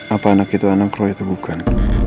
apa anak itu anak roy atau bukan